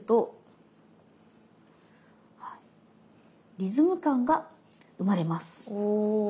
リズム感が生まれます。